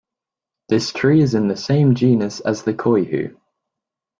This tree is in the same genus as the coihue.